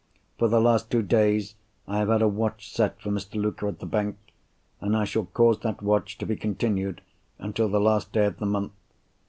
For the last two days I have had a watch set for Mr. Luker at the bank; and I shall cause that watch to be continued until the last day of the month.